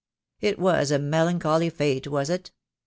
"It was a melancholy fate, was it?